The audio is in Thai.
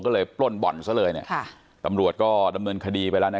ก็เลยปล้นบ่อนซะเลยสิตำรวจก็ดำเนินคดีไปแล้ว